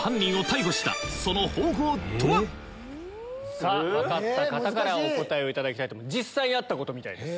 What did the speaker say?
さぁ分かった方からお答えいただきたいと思います。